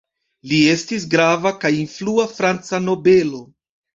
Li estis grava kaj influa franca nobelo.